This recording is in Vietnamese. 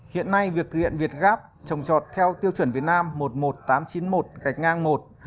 hiện nay việc thực hiện việt gáp trồng tròn theo tiêu chuẩn việt nam một mươi một nghìn tám trăm chín mươi một gạch ngang một hai hai nghìn một mươi bảy